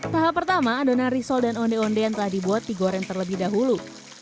tahap pertama adonan risol dan onde onde yang telah dibuat digoreng terlebih dahulu